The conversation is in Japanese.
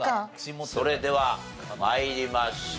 それでは参りましょう。